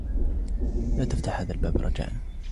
لا تفتح هذا الباب ، رجاءا.